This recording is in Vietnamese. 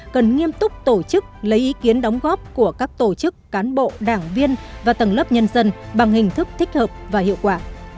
cần nghiêm túc tổ chức lấy ý kiến đóng góp của các tổ chức cán bộ đảng viên và tầng lớp nhân dân bằng hình thức thích hợp và hiệu quả